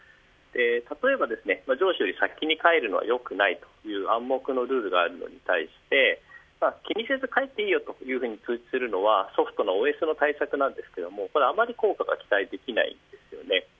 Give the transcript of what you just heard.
例えば、上司より先に帰るのはよくないという暗黙のルールがあるのに対して気にせず帰っていいよと通知するのはソフトのＯＳの対策ですがあまり効果が期待できないんです。